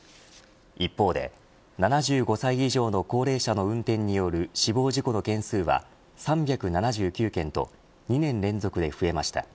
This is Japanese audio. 一方で７５歳以上の高齢者の運転による死亡事故の件数は３７９件と２年連続で増えました。